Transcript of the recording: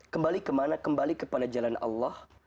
kembali kemana kembali kepada jalan allah